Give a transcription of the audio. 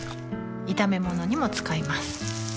炒め物にも使います